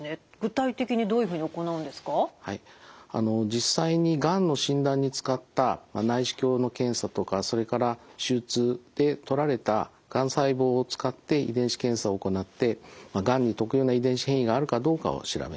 実際にがんの診断に使った内視鏡の検査とかそれから手術でとられたがん細胞を使って遺伝子検査を行ってがんに特有な遺伝子変異があるかどうかを調べます。